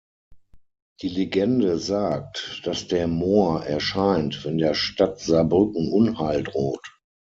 Die Legende sagt, dass der Mohr erscheint, wenn der Stadt Saarbrücken Unheil droht.